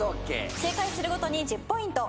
正解するごとに１０ポイント。